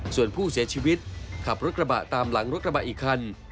ส่วนผู้เสียชีวิตขับรถกระบะตามหลังรถกระบะอีกคัน